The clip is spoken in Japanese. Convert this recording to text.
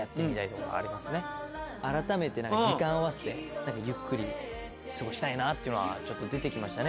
あらためて時間合わせてゆっくり過ごしたいなっていうのはちょっと出て来ましたね。